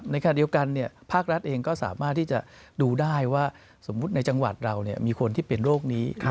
ขณะเดียวกันภาครัฐเองก็สามารถที่จะดูได้ว่าสมมุติในจังหวัดเรามีคนที่เป็นโรคนี้